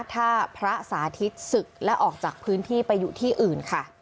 ถ้าพระสาธิตศึกและออกจากพื้นที่ไปอยู่ที่อื่นค่ะ